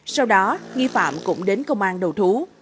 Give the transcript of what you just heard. sau đó nghi phạm cũng đến công an đầu thú